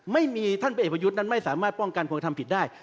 ไม่มีท่านเปรียบพยุทธ์นั้นไม่สามารถป้องกันความกระทำผิดได้